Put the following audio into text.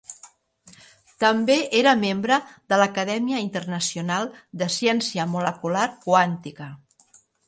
També era membre de l'Acadèmia Internacional de Ciència Molecular Quàntica.